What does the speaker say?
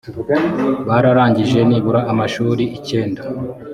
bararangije nibura amashuri icyenda